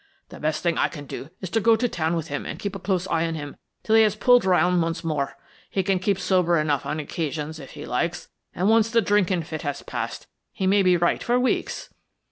The best thing I can do is to go to town with him and keep a close eye on him till he has pulled round once more. He can keep sober enough on occasions if he likes, and once the drinking fit has passed he may be right for weeks."